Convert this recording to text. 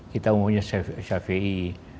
kita mempunyai syafi'i